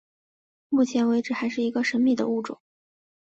目前为止还是一个神秘的物种。